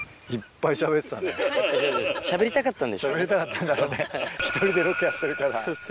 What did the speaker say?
しゃべりたかったんだろうね。